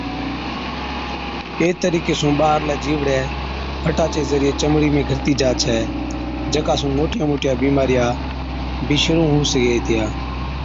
اي طرِيقي سُون ٻارهلَي جِيوڙَي فٽا چي ذريعي چمڙِي ۾ گھِرتِي جا ڇَي، جڪا سُون موٽِيا موٽِيا بِيمارِيا بِي شرُوع هُو سِگھي هِتِيا۔